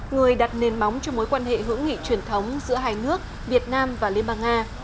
người đặt nền móng cho mối quan hệ hữu nghị truyền thống giữa hai nước việt nam và liên bang nga